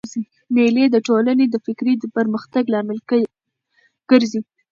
مېلې د ټولني د فکري پرمختګ لامل ګرځي.